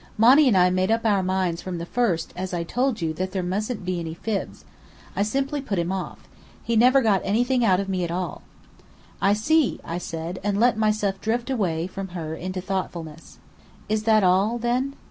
Monny and I made up our minds from the first, as I told you, that there mustn't be any fibs. I simply put him off. He never got anything out of me at all." "I see," I said; and let myself drift away from her into thoughtfulness. "Is that all, then?"